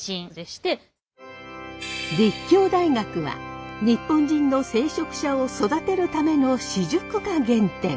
立教大学は日本人の聖職者を育てるための私塾が原点。